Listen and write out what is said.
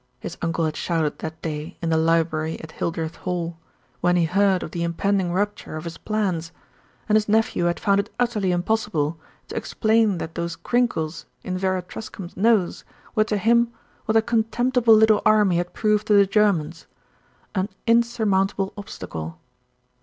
his uncle had shouted that day in the library at Hildreth Hall, when he heard of the impending rupture of his plans, and his nephew had found it utterlv impossible to explain that those crinkles in Vera Truscombe's nose were to him what the contemptible little army had proved to the Germans, an insurmountable obstacle.